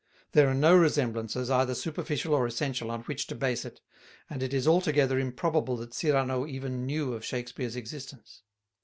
There are no resemblances, either superficial or essential, on which to base it, and it is altogether improbable that Cyrano even knew of Shakespeare's existence.